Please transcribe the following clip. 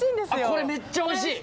これめっちゃおいしい！